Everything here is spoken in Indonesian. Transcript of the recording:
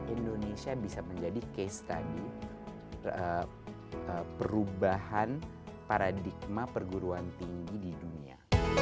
indonesia bisa menjadi case tadi perubahan paradigma perguruan tinggi di dunia